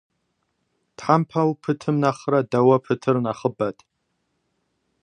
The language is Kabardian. Тхьэмпэу пытым нэхърэ дэуэ пытыр нэхъыбэт.